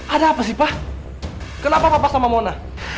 ada apa sih pak kenapa bapak sama mona